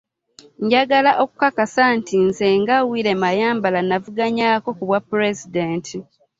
Njagala okukakasa nti nze nga Willy Mayambala nnavuganyaako ku bwapulezidenti